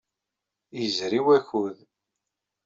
Yezri wakud.